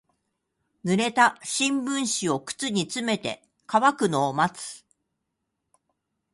濡れた新聞紙を靴に詰めて乾くのを待つ。